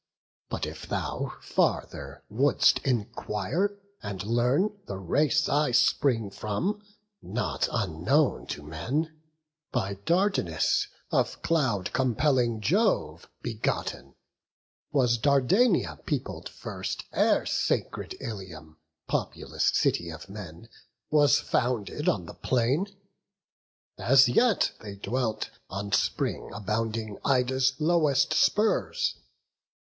But if thou farther wouldst enquire, and learn The race I spring from, not unknown to men, By Dardanus, of cloud compelling Jove Begotten, was Dardania peopled first, Ere sacred Ilium, populous city of men, Was founded on the plain; as yet they dwelt On spring abounding Ida's lowest spurs.